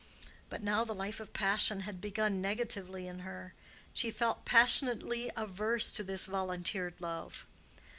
But now the life of passion had begun negatively in her. She felt passionately averse to this volunteered love.